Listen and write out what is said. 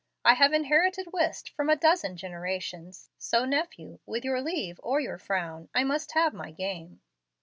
I have inherited whist from a dozen generations. So, nephew, with your leave or your frown, I must have my game."